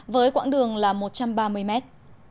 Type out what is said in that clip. với quãng đường là một trăm ba mươi mét